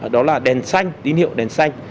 đó là đèn xanh tín hiệu đèn xanh